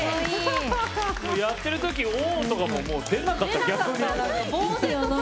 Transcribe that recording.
やってる時、おー！とか出なかった、逆に。